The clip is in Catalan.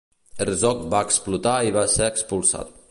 Herzog va explotar i va ser expulsat.